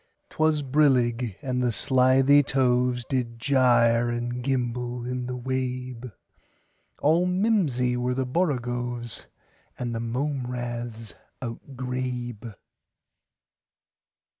'T was brillig, and the slithy tovesDid gyre and gimble in the wabe; All mimsy were the borogoves, And the mome raths outgrabe.